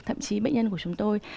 thậm chí bệnh nhân của chúng tôi